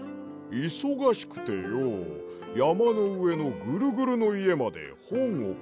いそがしくてよやまのうえのぐるぐるのいえまでほんをかりにいけないんだわ。